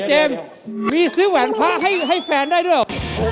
มีซื้อแหวนพระให้แฟนได้ด้วยเหรอ